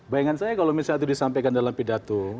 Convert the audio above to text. bayangan saya kalau misalnya itu disampaikan dalam pidato